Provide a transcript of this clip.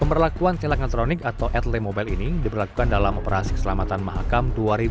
pemperlakuan telang elektronik atau atlet mobile ini diperlakukan dalam operasi keselamatan mahakam dua ribu dua puluh tiga